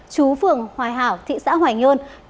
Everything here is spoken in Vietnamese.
chú phượng hoài hảo thị xã hoành